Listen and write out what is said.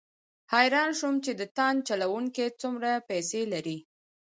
حیران شوم چې د تاند چلوونکي څومره پیسې لري.